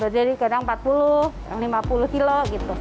jadi kadang empat puluh lima puluh kilo